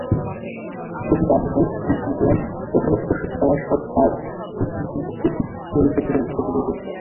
কথিত আছে যে, সেন্ট নিকোলাস উত্তরাধিকারসূত্রে পাওয়া সব তার সকল ধন-সম্পত্তি গরিব-দুঃখীদের মাঝে বিলিয়ে দিয়েছিলেন।